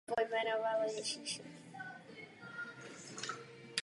Existence podobných stvoření nebyla do této doby prokázána.